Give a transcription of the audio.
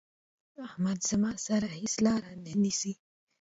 احمد زما سره هيڅ لار نه نيسي.